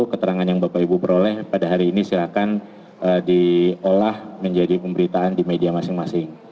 keterangan yang bapak ibu peroleh pada hari ini silahkan diolah menjadi pemberitaan di media masing masing